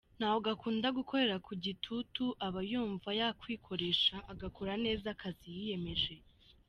Ntabwo akunda gukorera ku gitutu aba yumva yakwikoresha agakora neza akazi yiyemeje.